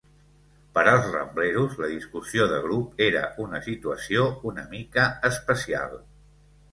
Per als Rambleros, la discussió de grup era una situació una mica especial.